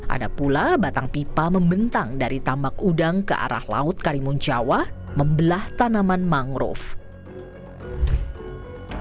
ada pula batang pipa membentang dari tambak udang ke arah laut karimun jawa membelah tanaman mangrove